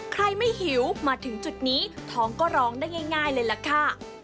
ใครไม่หิวมาถึงจุดนี้ท้องก็ร้องได้ง่ายเลยล่ะค่ะ